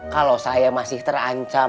kalau saya masih terancam